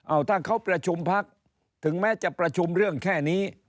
เอาถ้าเขาประชุมพักถึงแม้จะประชุมเรื่องแค่นี้